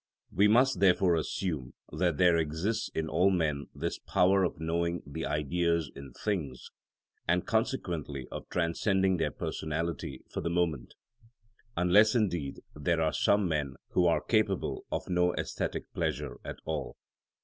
We must therefore assume that there exists in all men this power of knowing the Ideas in things, and consequently of transcending their personality for the moment, unless indeed there are some men who are capable of no æsthetic pleasure at all.